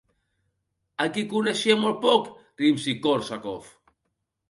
A qui coneixia molt poc Rimski-Kórsakov?